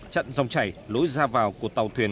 chặn dòng chảy lối ra vào của tàu thuyền